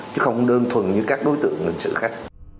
chứ không đơn thuần như các đối tượng lịch sử khác